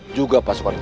juga pasukan kita